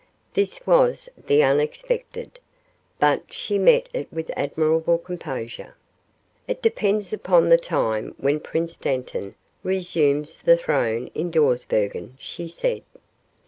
This was the unexpected, but she met it with admirable composure. "It depends upon the time when Prince Dantan resumes the throne in Dawsbergen," she said.